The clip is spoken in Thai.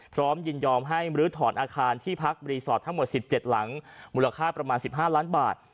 ยินยอมให้มรื้อถอนอาคารที่พักรีสอร์ททั้งหมด๑๗หลังมูลค่าประมาณ๑๕ล้านบาท